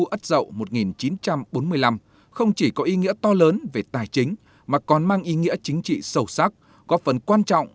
đất dậu một nghìn chín trăm bốn mươi năm không chỉ có ý nghĩa to lớn về tài chính mà còn mang ý nghĩa chính trị sâu sắc góp phần quan trọng